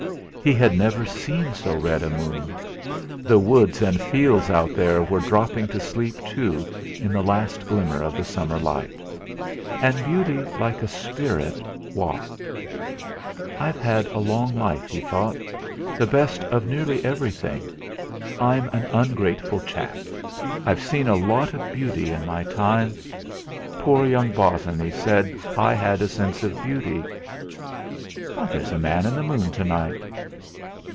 He had never seen so red a moon. The woods and fields out there were dropping to sleep too, in the last glimmer of the summer light. And beauty, like a spirit, walked. 'I've had a long life,' he thought, 'the best of nearly everything. I'm an ungrateful chap; I've seen a lot of beauty in my time. Poor young Bosinney said I had a sense of beauty. There's a man in the moon to night!'